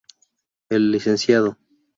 El Lcdo.